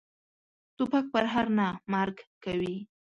توپک پرهر نه، مرګ کوي.